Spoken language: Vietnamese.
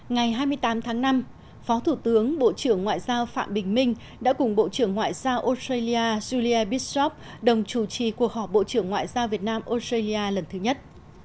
ngày hai mươi tám tháng năm phó thủ tướng bộ trưởng ngoại giao phạm bình minh đã cùng bộ trưởng ngoại giao australia juliekov đồng chủ trì cuộc họp bộ trưởng ngoại giao việt nam australia lần thứ nhất